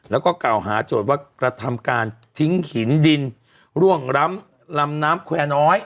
แล้วก็กล่าวหาโจทย์ว่ากระทำการทิ้งหินดินร่วงล้ำลำน้ำแควร์น้อย